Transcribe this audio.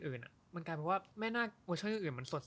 เหมือนกันคือมาแม่หน้าเวอร์เช็นนี้เหมือนแฟนตาซี